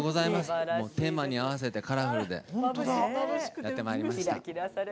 テーマに合わせてカラフルでやってまいりました。